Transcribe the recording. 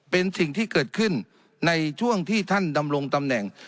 เป็นสิ่งที่เกิดขึ้นในช่วงที่ท่านดำรงตำแหน่ง